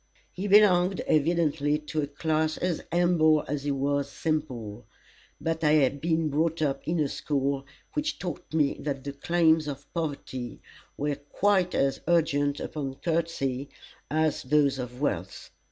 He belonged evidently to a class as humble as he was simple, but I had been brought up in a school which taught me that the claims of poverty were quite as urgent upon courtesy as those of wealth.